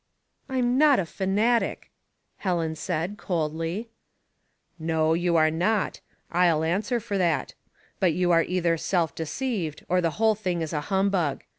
"I'm not a fanatic," Helen said, coldy. " No, you are not. I'll answer for that. But you are either self deceived, or the whole thing is a humbug.